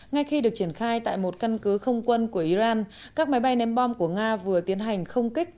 ngay khi được triển khai tại một căn cứ không quân của iran các máy bay ném bom của nga vừa tiến hành không kích